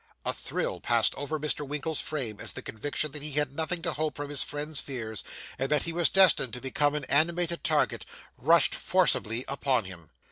A thrill passed over Mr. Winkle's frame as the conviction that he had nothing to hope from his friend's fears, and that he was destined to become an animated target, rushed forcibly upon him.